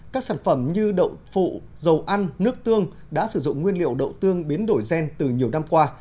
các sản phẩm như đậu phụ dầu ăn nước tương đã sử dụng nguyên liệu đậu tương biến đổi gen từ nhiều năm qua